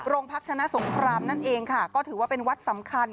พักชนะสงครามนั่นเองค่ะก็ถือว่าเป็นวัดสำคัญ